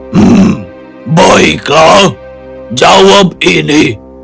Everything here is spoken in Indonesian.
hmm baiklah jawab ini